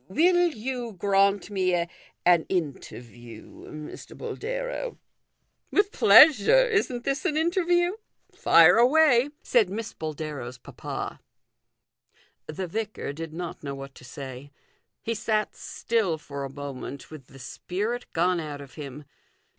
" Will you grant me an interview, Mr. Boldero ?"" With pleasure ; isn't this an interview ? Fire away," said Miss Boldero's papa. The vicar did not know what to say. He sat still for a moment with the spirit gone out of him.